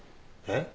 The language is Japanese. えっ？